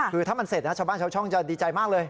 คือถ้ามันเสร็จนะชาวบ้านชาวช่องจะดีใจมากเลย